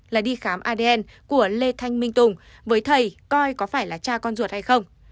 là đi khám adn của lê thanh minh tùng với thầy coi có phải là cha con ruột hay không